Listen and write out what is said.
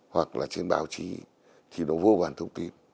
hoặc là trên báo chí thì nó vô vàn thông tin